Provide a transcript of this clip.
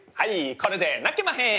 これで泣けまへん！